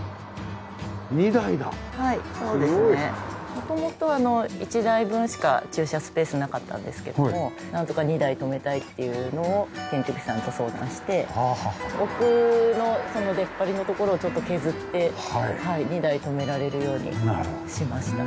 元々１台分しか駐車スペースなかったんですけどもなんとか２台止めたいっていうのを建築士さんと相談して奥のその出っ張りの所をちょっと削って２台止められるようにしました。